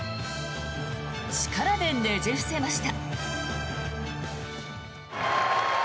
力でねじ伏せました。